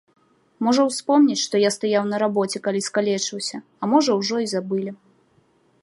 Можа, успомняць, што я стаяў на рабоце, калі скалечыўся, а можа, ужо і забылі.